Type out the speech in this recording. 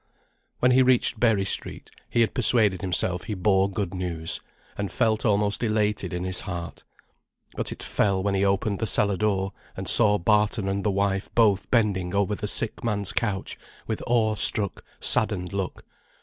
When he reached Berry Street, he had persuaded himself he bore good news, and felt almost elated in his heart. But it fell when he opened the cellar door, and saw Barton and the wife both bending over the sick man's couch with awe struck, saddened look.